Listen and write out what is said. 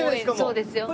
そうですよ。